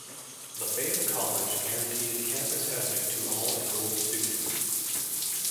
Lafayette College guarantees campus housing to all enrolled students.